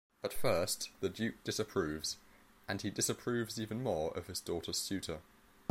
At first, the Duke disapproves; and he disapproves even more of his daughter's suitor.